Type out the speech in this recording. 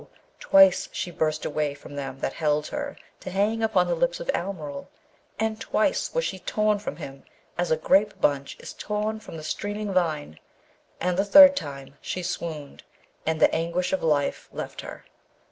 twice she burst away from them that held her to hang upon the lips of Almeryl, and twice was she torn from him as a grape bunch is torn from the streaming vine, and the third time she swooned and the anguish of life left her.